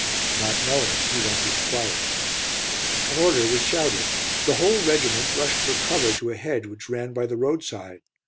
Not knowing, he went to enquire. An order was shouted. The whole regiment rushed for cover to a hedge which ran by the roadside.